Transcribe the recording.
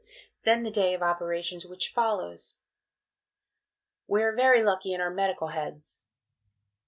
Then the day of operations which follows.... We are very lucky in our Medical Heads.